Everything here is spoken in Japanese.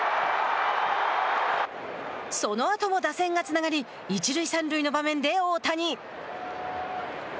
そのあとも打線がつながり一塁三塁の場面で大谷。